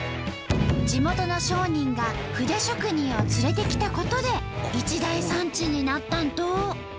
地元の商人が筆職人を連れてきたことで一大産地になったんと！